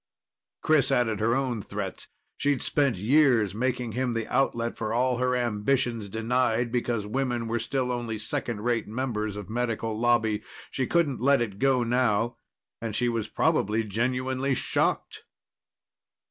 Chris added her own threats. She'd spent years making him the outlet for all her ambitions, denied because women were still only second rate members of Medical Lobby. She couldn't let it go now. And she was probably genuinely shocked.